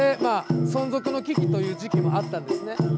存続の危機という時期もあったんです。